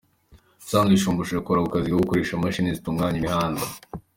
Ubusanzwe Shumbusho akora akazi ko gukoresha imashini zitunganya imihanda.